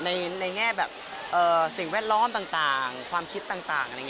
ในแง่แบบสิ่งแวดล้อมต่างความคิดต่าง